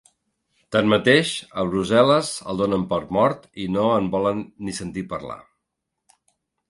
Tanmateix, a Brussel·les el donen per mort i no en volen ni sentir parlar.